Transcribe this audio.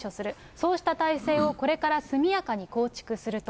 そうした体制を、これから速やかに構築すると。